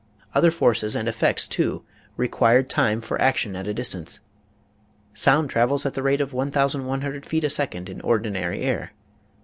Other forces and effects too required time for action at a distance. Sound travels at the rate of i,ioo feet a second in ordinary air.